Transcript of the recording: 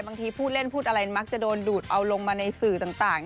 พูดเล่นพูดอะไรมักจะโดนดูดเอาลงมาในสื่อต่าง